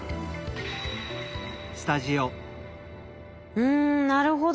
うんなるほど。